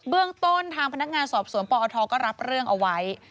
เรื่องต้นทางพนักงานสอบสวนปอทก็รับเรื่องเอาไว้